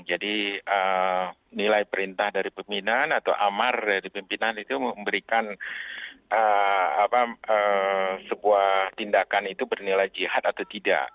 jadi nilai perintah dari pimpinan atau amar dari pimpinan itu memberikan sebuah tindakan itu bernilai jihad atau tidak